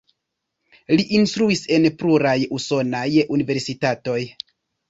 Li instruis en pluraj usonaj universitatoj.